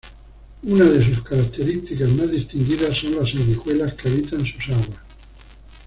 Una de sus características más distinguidas son las sanguijuelas que habitan sus aguas.